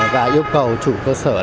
và yêu cầu chủ cơ sở